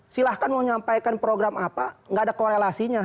silahkan menyampaikan program apa tidak ada korelasinya